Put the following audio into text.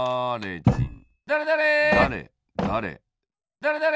だれだれ！